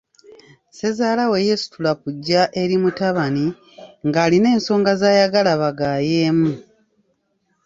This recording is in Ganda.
Ssezaalawe yeesitula kujja eri mutabani ng'alina ensonga z'ayagala bagaayeemu.